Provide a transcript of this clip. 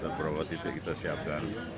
beberapa titik kita siapkan